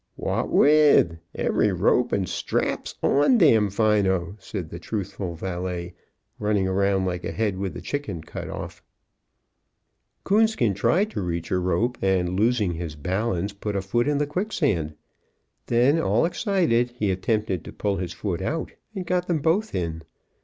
"What with? Every rope and strap's on Damfino," said the truthful valet, running around like a head with the chicken cut off. Coonskin tried to reach a rope and, losing his balance, put a foot in the quicksand. Then, all excited, he attempted to pull his foot out, and got them both in.